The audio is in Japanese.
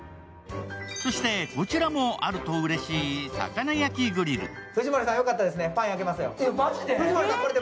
そしてこちらもあるとうれしい魚焼きグリル。